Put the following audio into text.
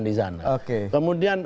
di sana kemudian